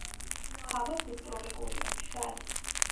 ჰავა სუბტროპიკულია, მშრალი.